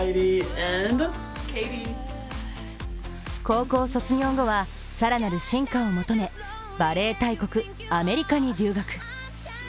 高校卒業後は更なる進化を求めバレー大国・アメリカに留学。